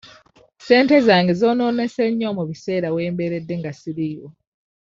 Ssente zange zoonoonese nnyo mu biseera we mbeeredde nga siriiwo.